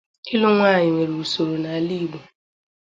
Ịlụ nwaanyị nwere usoro n'ala Igbo